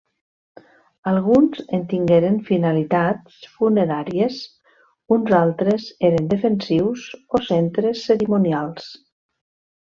Alguns en tingueren finalitats funeràries, uns altres eren defensius o centres cerimonials.